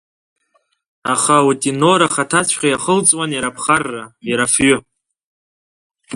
Аха утенор ахаҭаҵәҟьа иахылҵуан иара аԥхарра, иара афҩы.